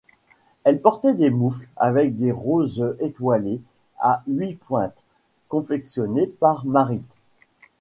Elles portaient des moufles avec des roses étoilées à huit pointes, confectionnées par Marit.